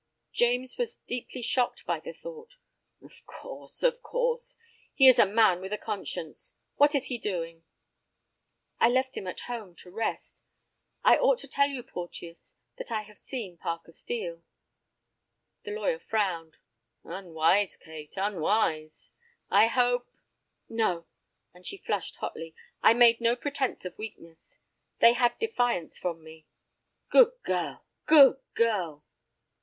"James was deeply shocked by the thought." "Of course—of course. He is a man with a conscience. What is he doing?" "I left him at home—to rest. I ought to tell you, Porteus, that I have seen Parker Steel." The lawyer frowned. "Unwise, Kate, unwise. I hope—" "No," and she flushed, hotly; "I made no pretence of weakness. They had defiance from me." "Good girl—good girl."